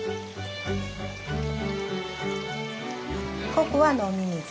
ここは飲み水。